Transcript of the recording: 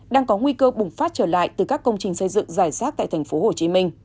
đang có nguy cơ bùng phát trở lại từ các công trình xây dựng giải rác tại tp hcm